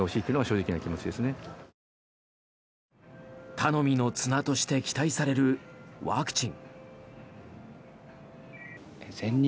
頼みの綱として期待されるワクチン。